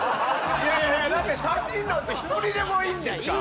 いやいやだって３人のうち１人でもいいんですか？